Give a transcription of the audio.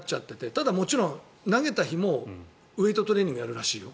ただ、もちろん投げた日もウェートトレーニングやるらしいよ。